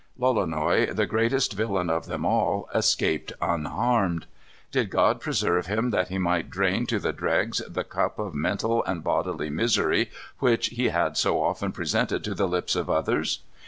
Lolonois, the greatest villain of them all, escaped unharmed. Did God preserve him that he might drain to the dregs the cup of mental and bodily misery which he had so often presented to the lips of others?